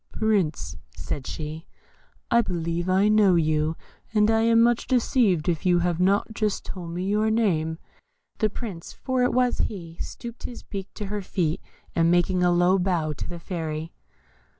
"Prince," said she, "I believe I know you, and I am much deceived if you have not just told me your name." The Prince (for it was he) stooped his beak to her feet, as making a low bow to the Fairy.